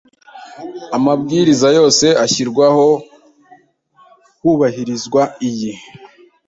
Amabwiriza yose ashyirwaho hubahirizwa iyi